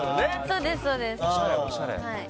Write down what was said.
そうですそうですはい・